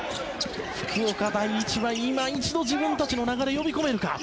福岡第一は、いま一度自分たちの流れを呼び込めるか。